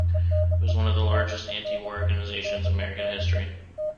It was one of the largest anti-war organizations in American history.